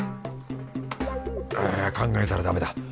あ考えたらだめだ。